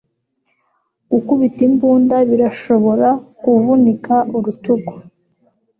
Gukubita imbunda birashobora kuvunika urutugu.